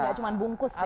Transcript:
gak cuma bungkus ya